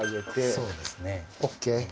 そうですね。ＯＫ。